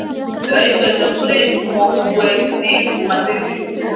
Rais wa jamhuri ni Mokgweetsi Masisi